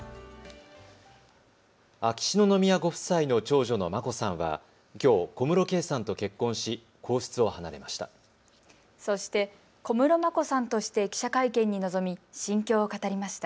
秋篠宮ご夫妻の長女の眞子さんはきょう小室圭さんと結婚し皇室を離れました。